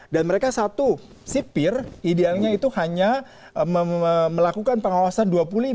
dan mereka satu sipir idealnya itu hanya melakukan pengawasan dua puluh lima